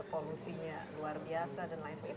polusinya luar biasa dan lain sebagainya